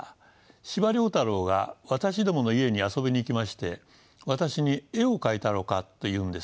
司馬太郎が私どもの家に遊びに来まして私に「絵を描いたろうか」と言うんです。